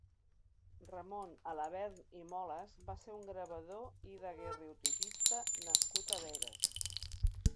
Ramon Alabern i Moles va ser un gravador i daguerreotipista nascut a Begues.